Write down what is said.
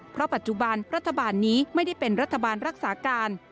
เพราะปัจจุบันรัฐบาลนี้ไม่ได้เป็นรัฐบาลรักษาการ